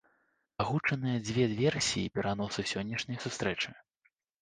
Агучаныя дзве версіі пераносу сённяшняй сустрэчы.